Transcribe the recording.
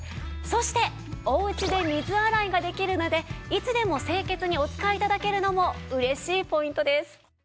そしておうちで水洗いができるのでいつでも清潔にお使い頂けるのも嬉しいポイントです。